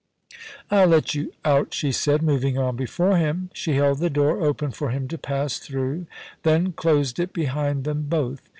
* I'll let you out,' she said, moving on before him. She held the door open for him to pass through, then closed it behind them both.